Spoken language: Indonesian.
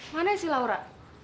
mana si laura